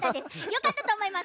よかったとおもいます。